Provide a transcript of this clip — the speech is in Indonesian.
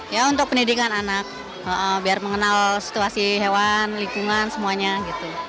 ya untuk pendidikan anak biar mengenal situasi hewan lingkungan semuanya gitu